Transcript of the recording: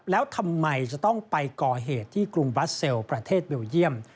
แล้วทำไมจะต้องไปก่อเหตุที่กรุงบราเซลประเทศเบลเยี่ยม